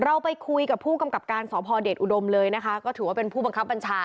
เราไปคุยกับผู้กำกับการสพเดชอุดมเลยนะคะก็ถือว่าเป็นผู้บังคับบัญชา